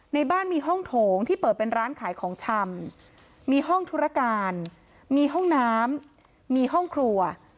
ในบ้านมีห้องโถงที่เปิดเป็นร้านขายของชำมีห้องธุรการมีห้องน้ำมีห้องครัว